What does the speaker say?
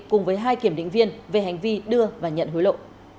cùng với hai kiểm định viên về hành vi đưa và nhận hối lộ